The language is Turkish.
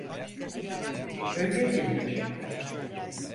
Öyleydiler…